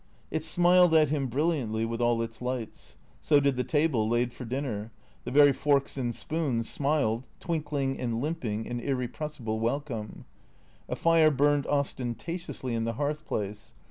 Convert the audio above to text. It smiled at him brilliantly with all its lights. So did the table, laid for dinner ; the very forks and spoons smiled, twink ling and limping in irrepressible welcome. A fire burned ostentatiously in the hearth place.